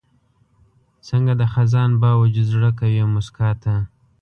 څنګه د خزان باوجود زړه کوي موسکا ته؟